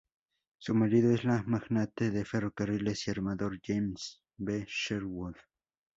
Su marido es el magnate de ferrocarriles y armador James B. Sherwood.